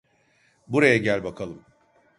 Buraya gel bakalım.